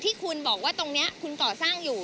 ที่คุณบอกว่าตรงนี้คุณก่อสร้างอยู่